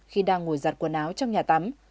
khi đang ngồi giặt quần áo trong nhà tắm